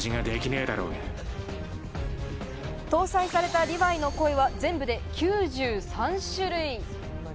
搭載されたリヴァイの声は全部で９３種類。